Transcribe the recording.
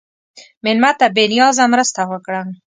مېلمه ته بې نیازه مرسته وکړه.